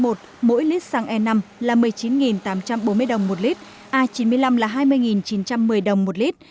mỗi lít xăng e năm là một mươi chín tám trăm bốn mươi đồng một lít a chín mươi năm là hai mươi chín trăm một mươi đồng một lít